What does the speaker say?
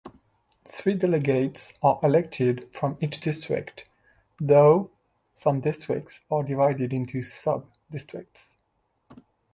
Three delegates are elected from each district, though some districts are divided into sub-districts.